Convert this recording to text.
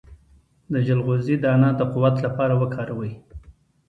د چلغوزي دانه د قوت لپاره وکاروئ